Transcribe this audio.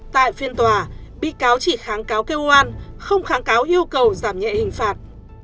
tại phiên tòa bị cáo chỉ kháng cáo kêu oan không kháng cáo yêu cầu giảm nhẹ hình phạt